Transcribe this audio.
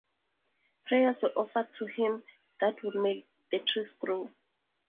Prayers were offered to him that would make the trees grow.